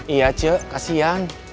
iya c kasian